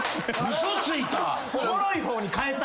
嘘ついた。